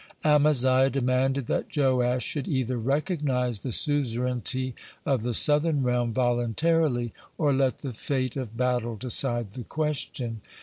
Amaziah demanded that Joash should either recognize the suzerainty of the southern realm voluntarily, or let the fate of battle decide the question.